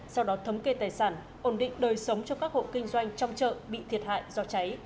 sau đó thống kê tài sản ổn định đời sống cho các hộ kinh doanh trong chợ bị thiệt hại do cháy